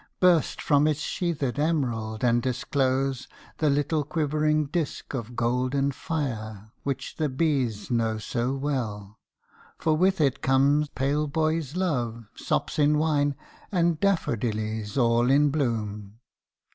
Burst from its sheathèd emerald and disclose The little quivering disk of golden fire Which the bees know so well, for with it come Pale boy's love, sops in wine, and daffadillies all in bloom.